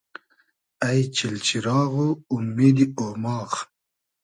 اݷ چیل چیراغ و اومیدی اۉماغ